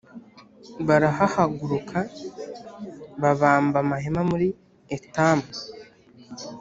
barahahaguruka babamba amahema muri etamu